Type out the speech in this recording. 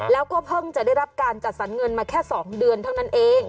แล้วก็เพิ่งจะได้รับการจัดสรรเงินมาแค่๒เดือนเท่านั้นเอง